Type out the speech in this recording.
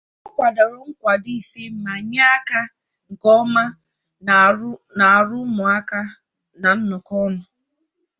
Ọ kwadoro nkwado ise ma nye aka nke ọma na arụmụka na nnọkọ ọnụ.